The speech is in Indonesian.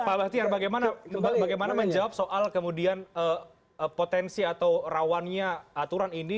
pak bahtiar bagaimana menjawab soal kemudian potensi atau rawannya aturan ini